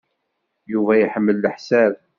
Yuba iḥemmel leḥsab.